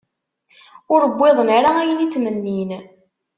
Ur wwiḍen ara ayen i ttmennin.